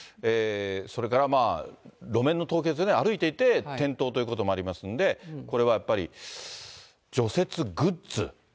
それから路面の凍結、歩いていて転倒ということもありますんで、これはやっぱり除雪グッズ。